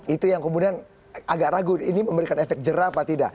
itu yang kemudian agak ragu ini memberikan efek jerah apa tidak